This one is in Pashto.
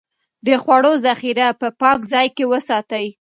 د خوړو ذخيره په پاک ځای کې وساتئ.